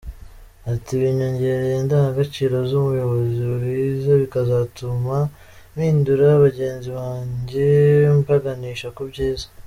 Ati “Binyongereye indangagaciro z’umuyobozi mwiza bikazatuma mpindura bagenzi banjye mbaganisha ku byiza.